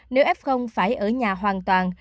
nếu f phải ở nhà hoàn toàn